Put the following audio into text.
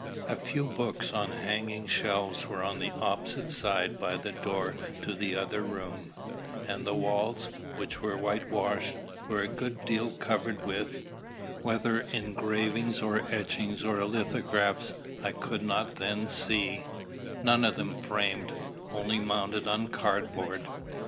A few books on hanging shelves were on the opposite side by the door to the other room; and the walls, which were whitewashed, were a good deal covered with whether engravings or etchings or lithographs I could not then see none of them framed, only mounted on card board.